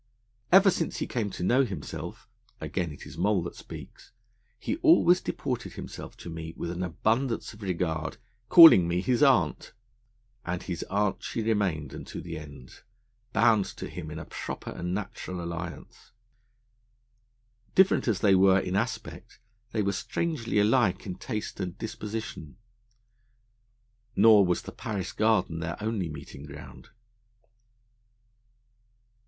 'Ever since he came to know himself,' again it is Moll that speaks, 'he always deported himself to me with an abundance of regard, calling me his Aunt.' And his aunt she remained unto the end, bound to him in a proper and natural alliance. Different as they were in aspect, they were strangely alike in taste and disposition. Nor was the Paris Garden their only meeting ground.